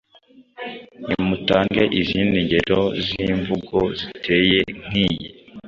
Nimutange izindi ngero z’imvugo ziteye nk’iyi “